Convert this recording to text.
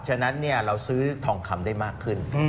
ฉะนั้นเราซื้อทองคำได้มากขึ้น